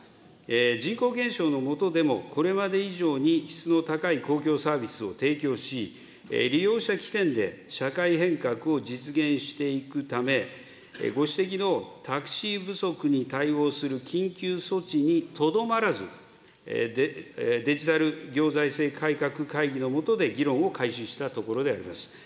人口減少の下でもこれまで以上に質の高い公共サービスを提供し、利用者起点で社会変革を実現していくため、ご指摘のタクシー不足に対応する緊急措置にとどまらず、デジタル行財政改革会議の下で議論を開始したところであります。